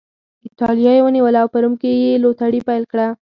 اېټالیا یې ونیوله او په روم کې یې لوټري پیل کړه.